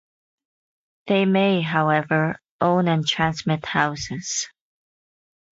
They may, however, own and transmit houses.